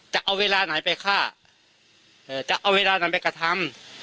จะเอาเวลาไหนไปฆ่าจะเอาเวลานั้นไปกระทำ